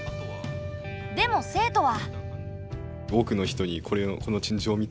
でも生徒は。